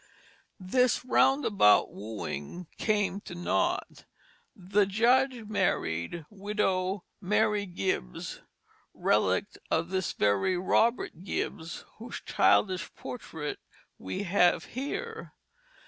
This roundabout wooing came to naught. The Judge married Widow Mary Gibbs, relict of this very Robert Gibbs whose childish portrait we have here.